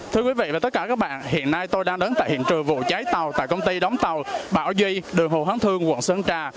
thưa quý vị và tất cả các bạn hiện nay tôi đang đến tại hiện trường vụ cháy tàu tại công ty đóng tàu bảo duy đường hồ hoán thương quận sơn trà